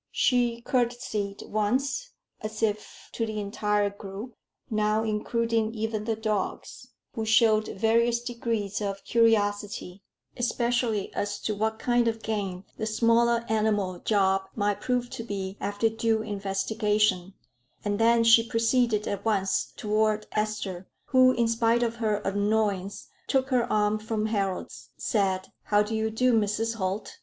She courtesied once, as if to the entire group, now including even the dogs, who showed various degrees of curiosity, especially as to what kind of game the smaller animal Job might prove to be after due investigation; and then she proceeded at once toward Esther, who, in spite of her annoyance, took her arm from Harold's, said, "How do you do, Mrs. Holt?"